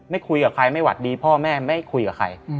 คุยกับใครไม่หวัดดีพ่อแม่ไม่คุยกับใคร